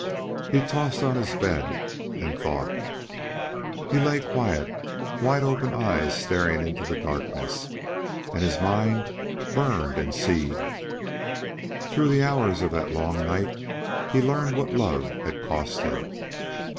He tossed on his bed and thought; he lay quiet, wide open eyes staring into the darkness, and his mind burned and seethed. Through the hours of that long night he learned what love had cost him.